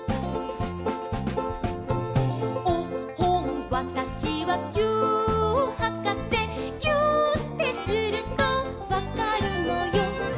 「おっほんわたしはぎゅーっはかせ」「ぎゅーってするとわかるのよ」